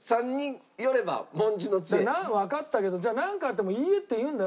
わかったけどじゃあなんかあっても「いいえ」って言うんだよ？